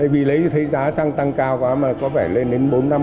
vì lấy thấy giá xăng tăng cao quá mà có vẻ lên